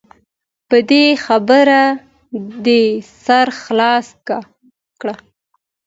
په دې خبره دې سر خلاص کړه .